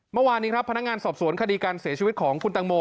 เมื่อวานนี้ครับพนักงานสอบสวนคดีการเสียชีวิตของคุณตังโม